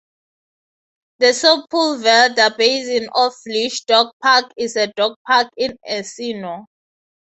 The Sepulveda Basin Off-leash Dog Park is a dog park in Encino.